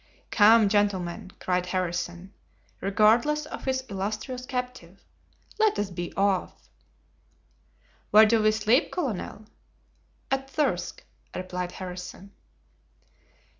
"Come, gentlemen," cried Harrison, regardless of his illustrious captive, "let us be off." "Where do we sleep, colonel?" "At Thirsk," replied Harrison.